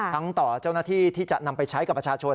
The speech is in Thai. ต่อเจ้าหน้าที่ที่จะนำไปใช้กับประชาชน